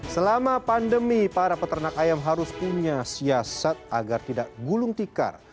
selama pandemi para peternak ayam harus punya siasat agar tidak gulung tikar